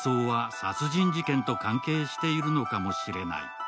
彼女の失踪は殺人事件と関係しているのかもしれない。